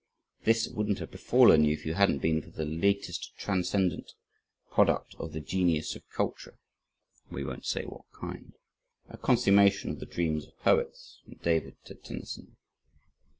This wouldn't have befallen you if it hadn't been for the latest transcendent product of the genius of culture" (we won't say what kind), a consummation of the dreams of poets, from David to Tennyson.